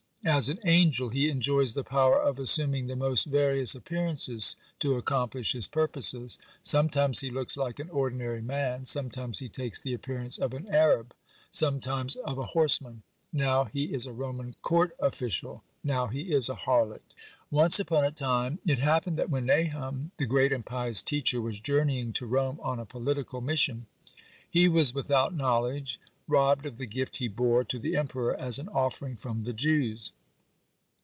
As an angel (47) he enjoys the power of assuming the most various appearances to accomplish his purposes. Sometimes he looks like an ordinary man, sometimes he takes the appearance of an Arab, sometimes of a horseman, now he is a Roman court official, now he is a harlot. Once upon a time it happened that when Nahum, the great and pious teacher, was journeying to Rome on a political mission, he was without knowledge robbed of the gift he bore to the Emperor as an offering from the Jews.